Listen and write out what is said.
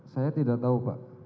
saya tidak tahu pak